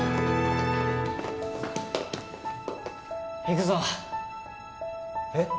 行くぞえっ？